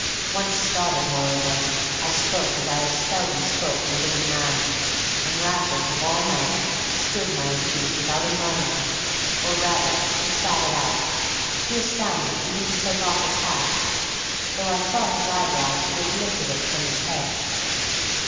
Once started, moreover, I spoke as I have seldom spoken to living man; and Raffles, of all men, stood my abuse without a murmur; or rather he sat it out, too astounded even to take off his hat, though I thought his eyebrows would have lifted it from his head.